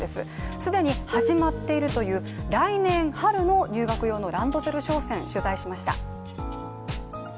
既に始まっているという来年春の入学用のランドセル商戦、取材しました。